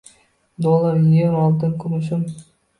Dollar Evro oltin kumushim